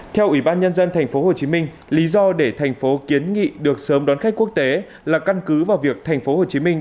theo ủy ban nhân dân thành phố hồ chí minh lý do để thành phố kiến nghị được sớm đón khách quốc tế là căn cứ vào việc thành phố hồ chí minh